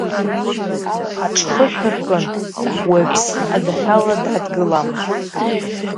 Аҿхышә аркын, уаҩԥсы адәахьала дадгыламызт.